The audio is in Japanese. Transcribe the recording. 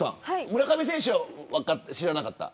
村上選手は知らなかった。